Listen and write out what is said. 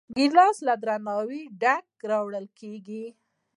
ګیلاس له درناوي ډک راوړل کېږي.